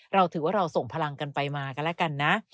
เราถือว่าเราส่งพลังกันไปมากันแล้วกันนะ